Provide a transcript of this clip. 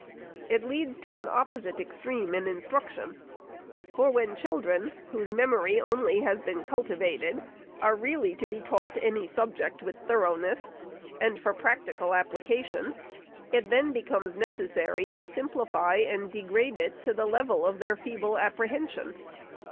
It leads to an opposite extreme in instruction ; for when children, whose memory only has been cultivated, are really to be taught any subject with thoroughness, and for practical application, it then becomes necessary to simplify and degrade it to the level of their feeble apprehension.